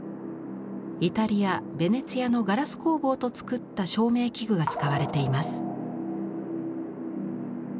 イタリアベネチアのガラス工房とつくった照明器具が使われています。